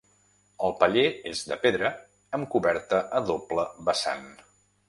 El paller és de pedra amb coberta a doble vessant.